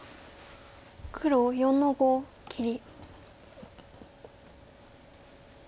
黒４の五切り。